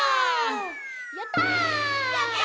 「やったー！！」